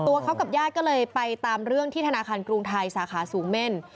ตัวเขากับญาติก็เลยไปตามเรื่องที่ธนาคารกรุงไทยสาขาสูงเม่น